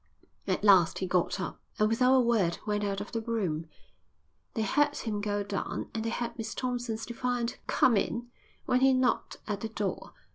At last he got up and without a word went out of the room. They heard him go down and they heard Miss Thompson's defiant "Come in" when he knocked at the door.